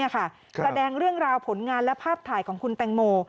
แสดงเรื่องราวผลงานและภาพถ่ายของคุณแตงโม